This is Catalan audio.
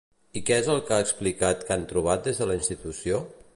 I què és el que ha explicat que han trobat des de la institució?